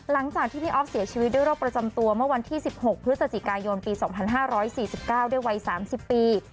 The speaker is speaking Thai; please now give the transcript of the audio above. หลังจากที่พี่อ๊อฟเสียชีวิตด้วยโรคประจำตัวเมื่อวันที่๑๖พฤศจิกายนปี๒๕๔๙ด้วยวัย๓๐ปี